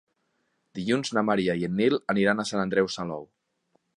Dilluns na Maria i en Nil aniran a Sant Andreu Salou.